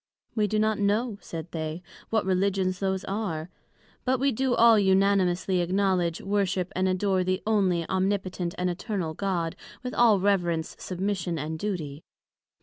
We do not know, said they, what Religions those are; but we do all unanimously acknowledg, worship and adore the Onely, Omnipotent, and Eternal God, with all reverence, submission, and duty.